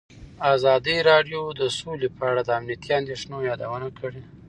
ازادي راډیو د سوله په اړه د امنیتي اندېښنو یادونه کړې.